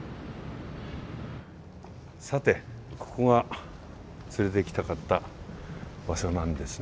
さてここが連れてきたかった場所なんですね。